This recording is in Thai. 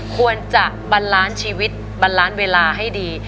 ควรจะบัลลานซ์ชีวิตบัลลานซ์เวลาให้ดี